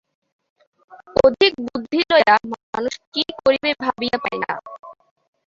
অধিক বুদ্ধি লইয়া মানুষ কী করিবে ভাবিয়া পায় না।